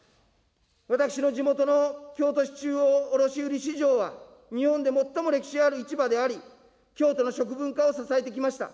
私の地元の京都市中央卸売市場は、日本で最も歴史ある市場であり、京都の食文化を支えてきました。